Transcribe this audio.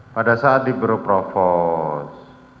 pada saat di biro propos